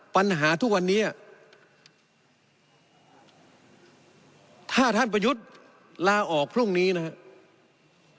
ปัญหาทุกวันนี้ถ้าท่านประยุทธ์ลาออกพรุ่งนี้นะครับ